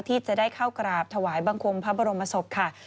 ที่จะได้เข้ากราบถวายบังคมพระบรมศพค่ะ